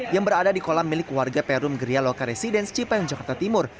yang berada di kolam milik warga perumgeria lokeresidence cipayung jakarta timur